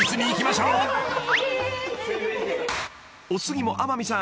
［お次も天海さん］